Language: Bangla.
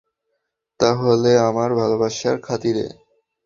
তাহলে আমার ভালবাসার খাতিরে।